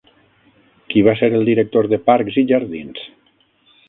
Qui va ser el director de Parcs i jardins?